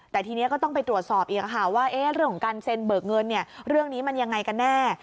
แต่ทีนี้ก็ต้องไปตรวจสอบอีกว่าเรื่องของการเซ็นเบิกเงินเรื่องนี้มันยังไงกันแน่